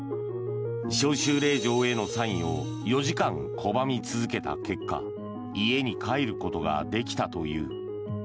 招集令状へのサインを４時間拒み続けた結果家に帰ることができたという。